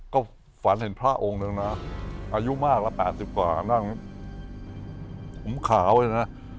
ก็ฝันเห็นพระองค์หนึ่งนะอายุมากละ๘๐กว่านั่งผมขาวเลยนะ